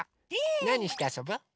なにしてあそぶ？